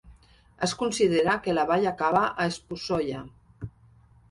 Es considera que la vall acaba a Esposolla.